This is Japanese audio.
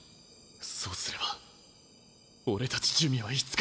そうすれば俺たち珠魅はいつか。